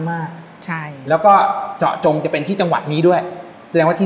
มากใช่แล้วก็เจาะจงจะเป็นที่จังหวัดนี้ด้วยแสดงว่าที่